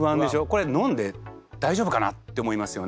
これ飲んで大丈夫かなって思いますよね。